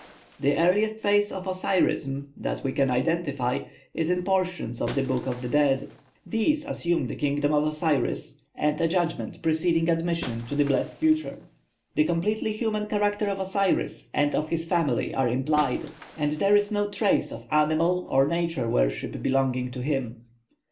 The earliest phase of Osirism that we can identify is in portions of the Book of the Dead. These assume the kingdom of Osiris, and a judgment preceding admission to the blessed future; the completely human character of Osiris and his family are implied, and there is no trace of animal or nature worship belonging to him.